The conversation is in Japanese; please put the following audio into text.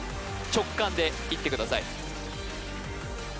直感でいってください